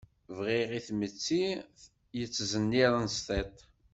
Briɣ i tmetti yettẓenniren s tiṭ.